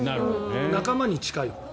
仲間に近い。